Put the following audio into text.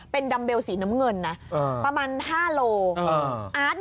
เป็นดัมเบลสีน้ำเงินนะประมาณ๕โล